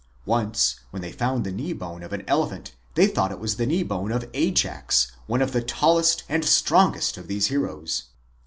Once when they found the knee bone of an elephant they thought it was the knee bone of Ajax, one of the tallest and strongest of these heroes.